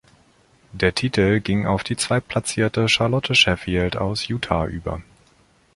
Der Titel ging auf die zweitplatzierte Charlotte Sheffield aus Utah über.